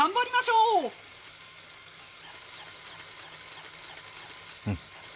うん。